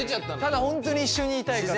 ただ本当に一緒にいたいから。